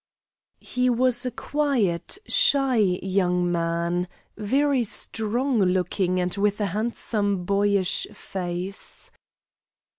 He was a quiet, shy young man, very strong looking and with a handsome boyish face.